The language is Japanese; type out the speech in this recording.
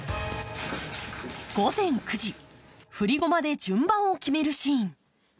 午前９時、振り駒で順番を決めるシーン。